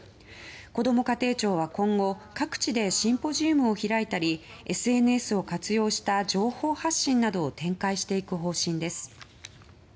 こども家庭庁は、今後各地でシンポジウムを開いたりＳＮＳを活用した情報発信などを展開していく方針です。